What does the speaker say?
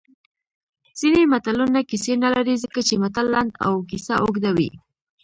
ځینې متلونه کیسې نه لري ځکه چې متل لنډ او کیسه اوږده وي